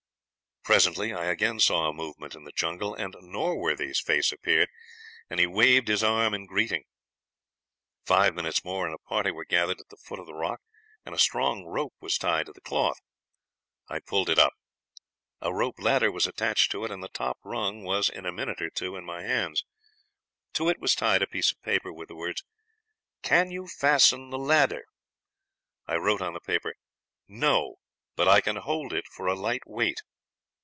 Presently I again saw a movement in the jungle, and Norworthy's face appeared, and he waved his arm in greeting. "Five minutes more and a party were gathered at the foot of the rock, and a strong rope was tied to the cloth. I pulled it up. A rope ladder was attached to it, and the top rung was in a minute or two in my hands. To it was tied a piece of paper with the words: 'Can you fasten the ladder?' I wrote on the paper: 'No; but I can hold it for a light weight.'